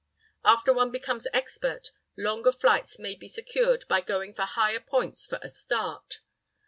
After one becomes expert, longer flights may be secured by going to higher points for the start.